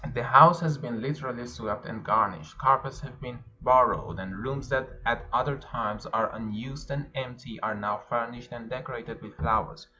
The house has been literally swept and garnished. Carpets have been borrowed, and rooms that at other times are unused and empty are now furnished and decorated with flowers.